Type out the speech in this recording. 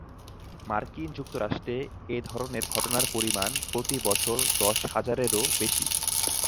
মার্কিন যুক্তরাষ্ট্রে এ ধরনের ঘটনার পরিমাণ প্রতি বছর দশ হাজারেরও বেশি।